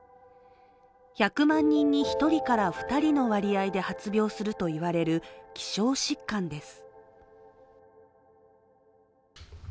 １００万人に１人から２人の割合で発病するといわれる希少疾患です。